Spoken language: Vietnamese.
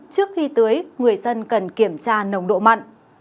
trước khi tưới người dân cần kiểm tra nồng độ mặn